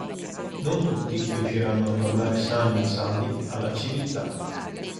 Non tutti riusciranno a tornare sani e salvi alla civiltà.